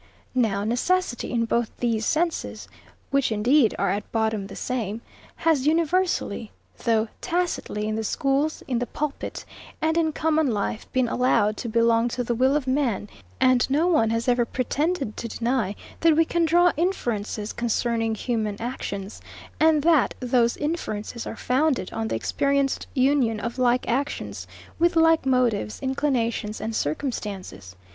Now necessity, in both these senses, (which, indeed, are at bottom the same) has universally, though tacitly, in the schools, in the pulpit, and in common life, been allowed to belong to the will of man; and no one has ever pretended to deny that we can draw inferences concerning human actions, and that those inferences are founded on the experienced union of like actions, with like motives, inclinations, and circumstances.